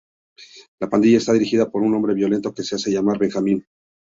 La pandilla está dirigida por un hombre violento que se hace llamar Benjamín.